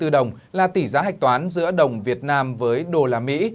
hai năm trăm bảy mươi bốn đồng là tỷ giá hạch toán giữa đồng việt nam với đô la mỹ